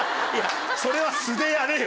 それは素でやれよ。